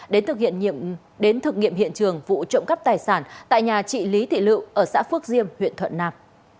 đến thực nghiệm hiện trường vụ trộm cắp tài sản tại nhà trị lý thị lự ở xã phước diêm huyện thuận nam